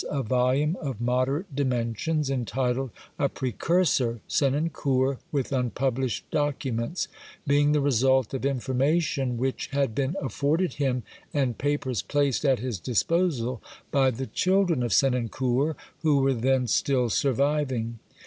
CRITICAL INTRODUCTION vii of moderate dimensions, entitled " A Precursor : Senancour, with Unpublished Documents," being the result of informa tion which had been afforded him and papers placed at his disposal by the children of Senancour, who were then still surviving.